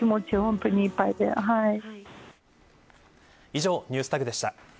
以上、ＮｅｗｓＴａｇでした。